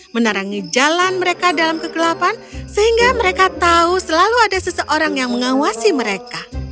menarangi jalan mereka dalam kegelapan sehingga mereka tahu selalu ada seseorang yang mengawasi mereka